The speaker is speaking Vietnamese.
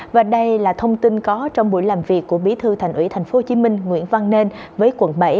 và đây là thông tin có trong buổi làm việc của bí thư thành ủy tp hcm nguyễn văn nên với quận bảy